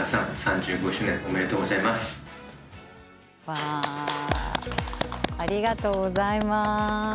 ありがとうございます。